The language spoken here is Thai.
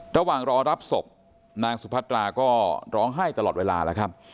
ระหว่างรอรับศพนางสุพัตราก็ร้องไห้ตลอดเวลาแล้วครับ